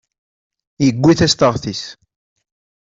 Yuwi tastaɣt-is.